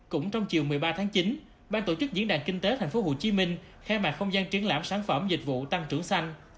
cũng trong chiều một mươi ba tháng chín ban tổ chức diễn đàn kinh tế tp hcm khai mạc không gian triển lãm sản phẩm dịch vụ tăng trưởng xanh